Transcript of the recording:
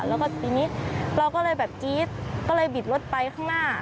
แล้วก็ทีนี้เราก็เลยแบบกรี๊ดก็เลยบิดรถไปข้างหน้า